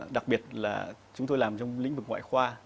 đặc biệt là chúng tôi làm trong lĩnh vực ngoại khoa